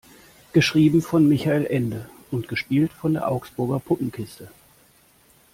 Geschrieben von Michael Ende und gespielt von der Augsburger Puppenkiste.